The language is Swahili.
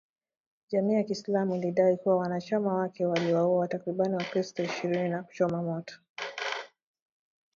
Jamii ya kiislamu ilidai kuwa wanachama wake waliwauwa takribani wakristo ishirini na kuchoma moto